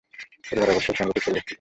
পরিবারে অবশ্য সাঙ্গীতিক পরিবেশ ছিল।